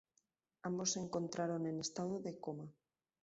Ambos se encontraron en estado de coma.